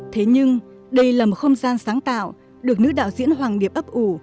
thế nhưng đây là một không gian sáng tạo được nữ đạo diễn hoàng điệp ấp ủ